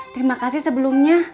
terima kasih sebelumnya